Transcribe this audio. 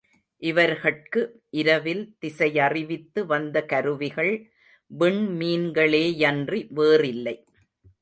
இவர்கட்கு இரவில் திசையறிவித்து வந்த கருவிகள் விண்மீன்களே யன்றி வேறில்லை.